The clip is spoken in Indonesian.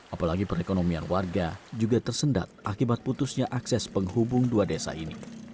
apalagi perekonomian warga juga tersendat akibat putusnya akses penghubung dua desa ini